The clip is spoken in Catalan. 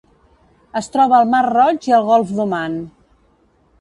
Es troba al Mar Roig i al Golf d'Oman.